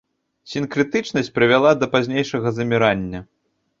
Сінкрэтычнасць прывяла да пазнейшага замірання.